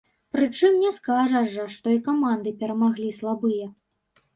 Прычым не скажаш жа, што і каманды перамаглі слабыя.